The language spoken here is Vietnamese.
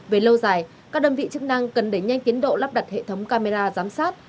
về lâu dài các đơn vị chức năng cần đẩy nhanh tiến độ lắp đặt hệ thống camera giám sát